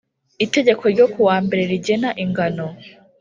Itegeko ryo ku wa mbere rigena ingano